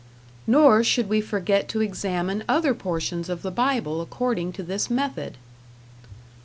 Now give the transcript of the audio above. Nor should we forget to examine other portions of the Bible according to this method.